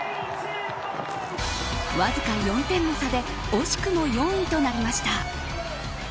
わずか４点の差で惜しくも４位となりました。